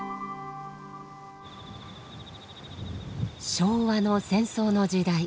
昭和の戦争の時代